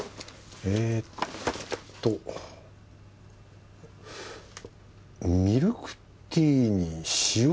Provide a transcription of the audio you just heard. えっとミルクティーに塩？